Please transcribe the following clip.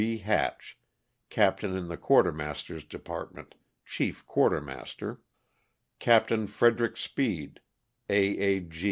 B. Hatch, captain in the quartermaster's department, chief * quarter master ; Capt. Frederic Speed, A. A.